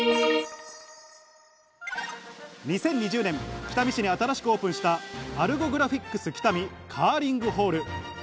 ２０２０年、北見市に新しくオープンしたアルゴグラフィックス北見カーリングホール。